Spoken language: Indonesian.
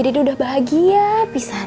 dede udah bahagia pisar